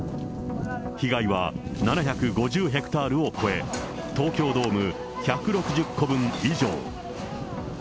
被害は７５０ヘクタールを超え、東京ドーム１６０個分以上。